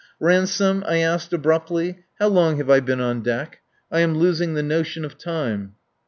"Ransome," I asked abruptly, "how long have I been on deck? I am losing the notion of time."